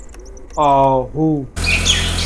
آهو